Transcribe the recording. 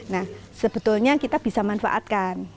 nah sebetulnya kita bisa manfaatkan